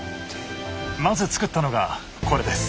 まずつくったのがこれです。